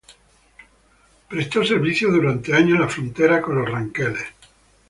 Prestó servicios durante años en la frontera con los ranqueles.